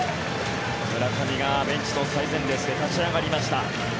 村上がベンチの最前列で立ち上がりました。